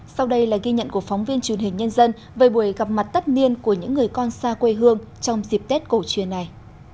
sau đây là ghi nhận của phóng viên truyền hình nhân dân về buổi gặp mặt tất niên của những người con xa quê hương trong dịp tết cổ truyền này